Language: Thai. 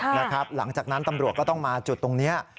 หลังจากนั้นตำรวจก็ต้องมาจุดตรงนี้